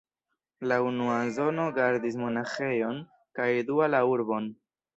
La unua zono gardis monaĥejon kaj dua la urbon.